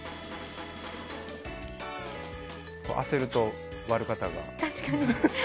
焦ると、割る方が。